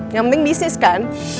yang penting bisnis kan